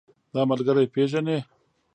دا ملګری پيژنې؟